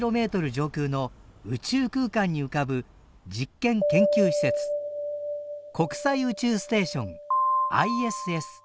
上空の宇宙空間に浮かぶ実験・研究施設国際宇宙ステーションＩＳＳ。